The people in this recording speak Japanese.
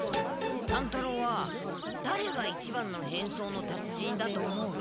乱太郎はだれがいちばんの変装のたつ人だと思う？